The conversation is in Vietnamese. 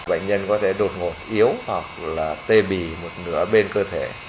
bệnh nhân có thể đột ngột yếu hoặc là tê bì một nửa bên cơ thể